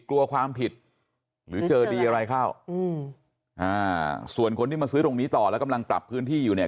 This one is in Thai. กลัวความผิดหรือเจอดีอะไรเข้าอืมอ่าส่วนคนที่มาซื้อตรงนี้ต่อแล้วกำลังปรับพื้นที่อยู่เนี่ย